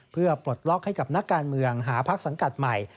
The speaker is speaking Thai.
เพื่อปลดล็อกให้กับนักการเมืองหาพักสังกัดใหม่